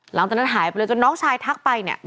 หลังจากนั้นหายไปเลยจนน้องชายทักไปเนี่ย